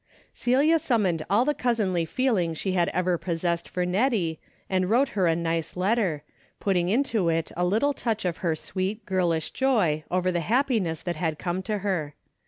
Celia summoned all the cousinly feeling she had ever possessed for Nettie, and wrote her a nice letter, putting into it a little touch of her sweet girlish joy over the happiness that had come to her.